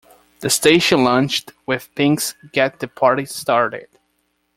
The station launched with Pink's "Get The Party Started".